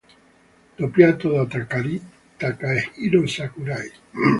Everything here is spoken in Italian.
Doppiato da Takahiro Sakurai